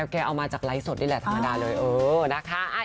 แกเอามาจากไลฟ์สดนี่แหละธรรมดาเลยนะคะ